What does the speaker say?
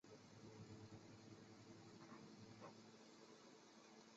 伊玛尔地产。